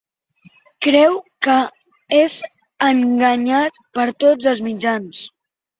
Creu que és enganyat, per tots els mitjans.